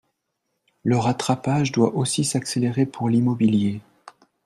Le rattrapage doit aussi s’accélérer pour l’immobilier.